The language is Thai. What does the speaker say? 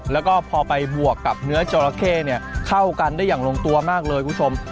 แล้วก็พอไปบวกกับเนื้อจอราเข้เข้ากันได้อย่างลงตัวมากเลยคุณผู้ชม